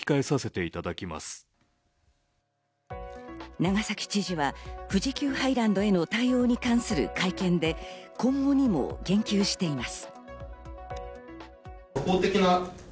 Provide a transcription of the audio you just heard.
長崎知事は富士急ハイランドへの対応に関する会見で、今後にも言及しています。